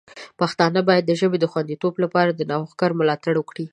پښتانه باید د ژبې د خوندیتوب لپاره د نوښت ملاتړ وکړي.